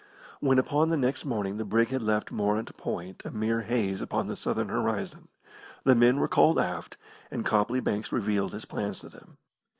When upon the next morning the brig had left Morant Point a mere haze upon the Southern horizon, the men were called aft, and Copley Banks revealed his plans to them.